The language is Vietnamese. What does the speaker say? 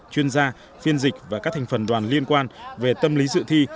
chuyên gia phiên dịch và các thành phần đoàn liên quan về tâm lý dự thi